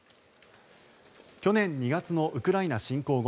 去年２月のウクライナ侵攻後